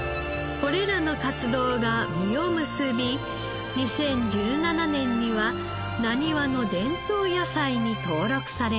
これらの活動が実を結び２０１７年にはなにわの伝統野菜に登録されました。